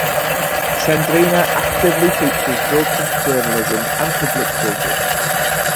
Sandrina actively teaches Broadcast Journalism and Public Speaking.